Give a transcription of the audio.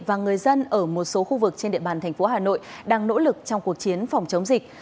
và người dân ở một số khu vực trên địa bàn thành phố hà nội đang nỗ lực trong cuộc chiến phòng chống dịch